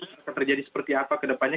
akan terjadi seperti apa ke depannya